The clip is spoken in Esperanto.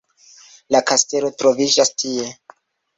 La kastelo troviĝas tie!